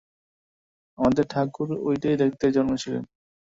আমাদের ঠাকুর ঐটেই দেখাতে জন্মেছিলেন।